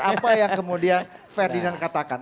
apa yang kemudian ferdinand katakan